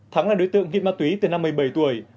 thắng là đối tượng ghi ma túy từ năm một mươi bảy tuổi